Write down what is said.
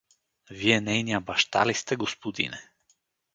— Вие нейния баща ли сте, господине?